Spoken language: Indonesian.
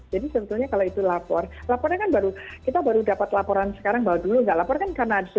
jadi sebetulnya kalau itu lapor lapornya kan baru kita baru dapat laporan sekarang bahwa dulu tidak lapor kan karena sudah jadi kasus